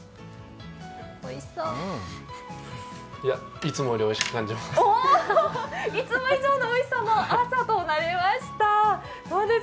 いつもよりおいしく感じます。